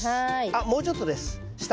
あっもうちょっとです下。